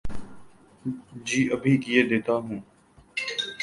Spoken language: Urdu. جی ابھی کیئے دیتا ہو